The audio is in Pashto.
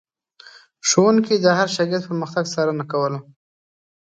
ښوونکي د هر شاګرد پرمختګ څارنه کوله.